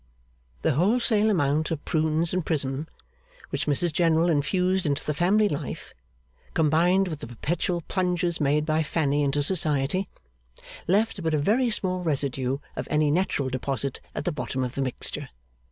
The wholesale amount of Prunes and Prism which Mrs General infused into the family life, combined with the perpetual plunges made by Fanny into society, left but a very small residue of any natural deposit at the bottom of the mixture.